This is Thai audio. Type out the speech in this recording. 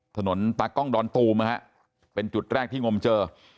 ตากล้องดอนตูมนะฮะเป็นจุดแรกที่งมเจอ